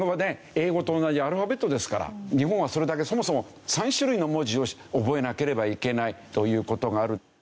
英語と同じアルファベットですから日本はそれだけそもそも３種類の文字を覚えなければいけないという事がある。